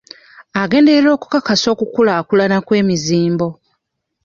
Agenderera okukakasa okukulaakulana kw'emizimbo.